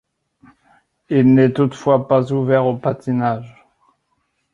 Il n'est toutefois pas ouvert au patinage.